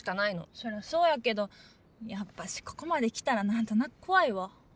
そりゃそうやけどやっぱしここまで来たら何となく怖いわ。